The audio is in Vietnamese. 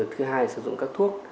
thứ hai là sử dụng các thuốc